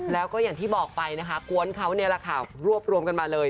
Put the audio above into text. แล้วก็อย่างที่บอกไปนะคะกวนเขานี่แหละค่ะรวบรวมกันมาเลย